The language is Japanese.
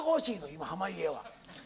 今濱家は。